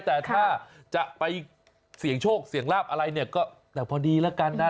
แต่ถ้าจะไปเสี่ยงโชคเสี่ยงลาบอะไรเนี่ยก็แต่พอดีแล้วกันนะ